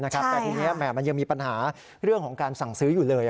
แต่ทีนี้มันยังมีปัญหาเรื่องของการสั่งซื้ออยู่เลย